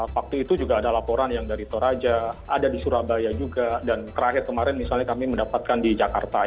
waktu itu juga ada laporan yang dari toraja ada di surabaya juga dan terakhir kemarin misalnya kami mendapatkan di jakarta